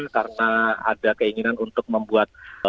karena ada keinginan untuk membuat